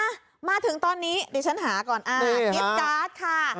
อะมาถึงตอนนี้ดิฉันหาก่อนคิดการ์ดค่ะ